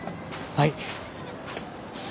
はい。